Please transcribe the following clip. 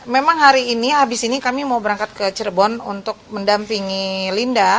memang hari ini habis ini kami mau berangkat ke cirebon untuk mendampingi linda